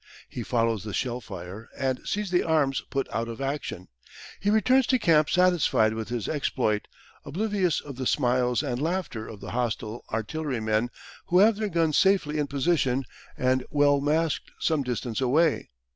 He follows the shell fire and sees the arms put out of action. He returns to camp satisfied with his exploit, oblivious of the smiles and laughter of the hostile artillerymen, who have their guns safely in position and well masked some distance away.